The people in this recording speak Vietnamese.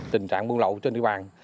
tình trạng buôn lậu trên địa bàn